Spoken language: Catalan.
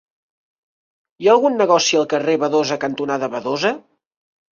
Hi ha algun negoci al carrer Badosa cantonada Badosa?